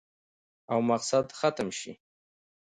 او مقصد ختم شي